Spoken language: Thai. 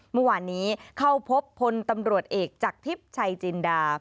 เมื่อวานนี้เข้าพบพลตำรวจเอกจากทิพย์ชัยจินดา